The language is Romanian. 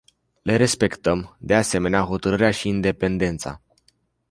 Le respectăm, de asemenea, hotărârea și independența.